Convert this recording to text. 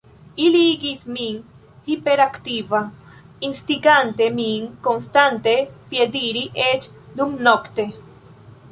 Ili igis min hiperaktiva, instigante min konstante piediri, eĉ dumnokte.